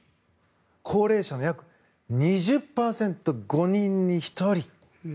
高齢者の約２０％５人に１人。